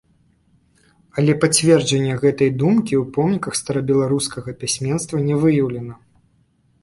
Але пацвярджэння гэтай думкі ў помніках старабеларускага пісьменства не выяўлена.